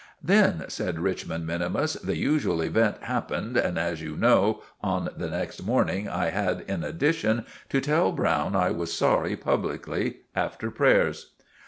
"Then," said Richmond minimus, "the usual event happened and, as you know, on the next morning I had, in addition, to tell Browne I was sorry publicly after prayers."